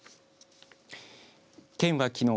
県は、きのう